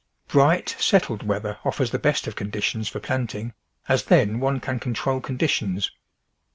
Bright, settled weather offers the best of conditions for planting, as then one can control conditions.